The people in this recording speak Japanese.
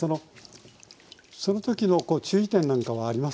そのときの注意点なんかはありますか？